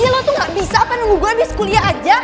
lo tuh gak bisa nunggu gue abis kuliah aja